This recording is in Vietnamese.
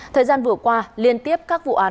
thời gian vừa qua liên tiếp các vụ án bị thương